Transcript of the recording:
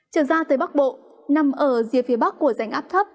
trở ra tới bắc bộ nằm ở dưới phía bắc của rãnh áp thấp